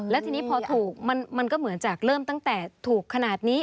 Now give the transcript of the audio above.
แล้วทีนี้พอถูกมันก็เหมือนจากเริ่มตั้งแต่ถูกขนาดนี้